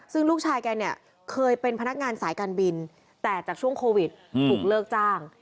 ซึ่งลูกชายแกเนี่ยเคยเป็นพนักงานสายการบินแต่จากช่วงโควิดถูกเลิกจ้าง